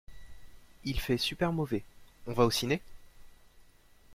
Il fait super mauvais, on va au ciné?